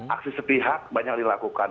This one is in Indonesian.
aksi sepihak banyak dilakukan